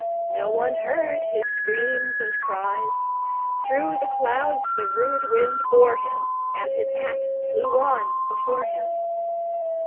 No one heard his screams and cries; Through the clouds the rude wind bore him, And his hat flew on before him.